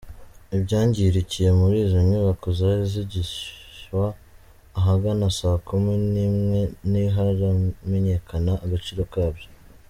Ibyangirikiye muri izo nyubako zari zigishya ahagana saa kumi n’imwe ntiharamenyekana agaciro kabyo.